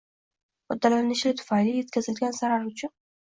foydalanilishi tufayli yetkazilgan zarar uchun